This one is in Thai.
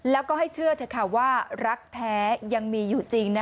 แล้วก็ให้เชื่อเถอะค่ะว่ารักแท้ยังมีอยู่จริงนะ